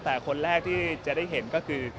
แต่คนแรกที่จะได้เห็นก็คือ